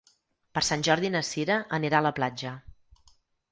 Per Sant Jordi na Cira anirà a la platja.